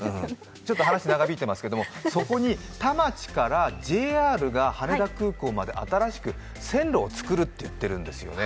話が長引いていますけどそこにＪＲが、田町から羽田空港まで新しく線路を作るって言ってるんですよね。